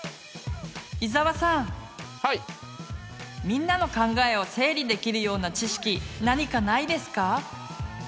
みんなの考えを整理できるような知識何かないですか？